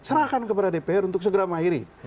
serahkan kepada dpr untuk segera mengakhiri